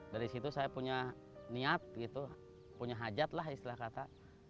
dari situ saya punya niat gitu punya hajat lah istilah kata